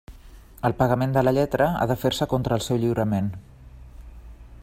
El pagament de la lletra ha de fer-se contra el seu lliurament.